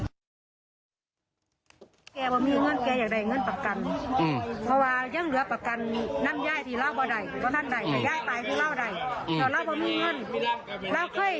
แกบอกมีเงินแกอยากได้เงินปัจกรรม